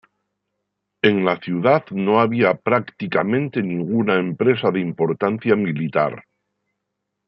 En la ciudad no había prácticamente ninguna empresa de importancia militar.